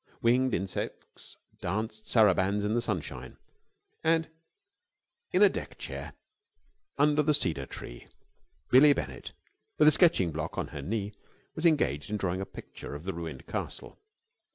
Winged insects danced sarabands in the sunshine. And in a deck chair under the cedar tree Billie Bennett, with a sketching block on her knee, was engaged in drawing a picture of the ruined castle.